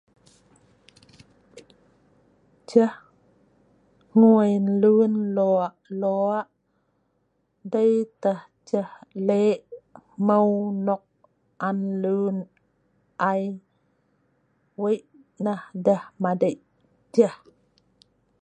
Ceh hgui lun lok lok dei tah ceh lek hmeu nok an lun ai weik nah deh madik ceh